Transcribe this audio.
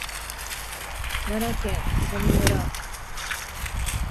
奈良県曽爾村